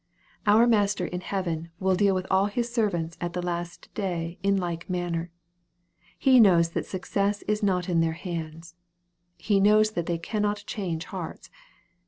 Our Master in heaven will deal with all His servants at the last day in like manner. He knows that success is not in their hands. He knows that they cannot change hearts.